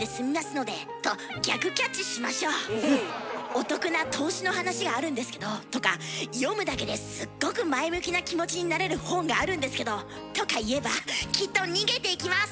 「お得な投資の話があるんですけど」とか「読むだけですっごく前向きな気持ちになれる本があるんですけど」とか言えばきっと逃げていきます。